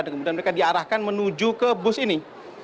dan kemudian mereka diarahkan menuju ke bus ini